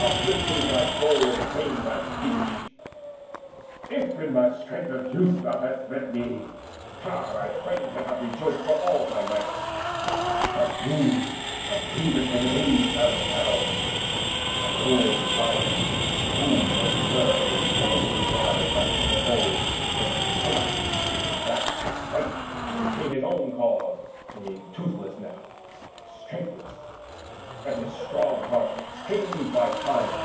Uplifted is thy soul And vain thy speech. If in my strength of youth Thou hadst met me ha, thy friends had not rejoiced, For all thy might! But me the grievous weight Of age bows down, like an old lion whom A cur may boldly drive back from the fold, For that he cannot, in his wrath's despite, Maintain his own cause, being toothless now, And strengthless, and his strong heart tamed by time.